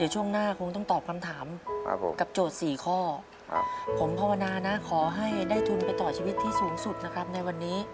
ชีวิตที่สูงสุดนะครับในวันนี้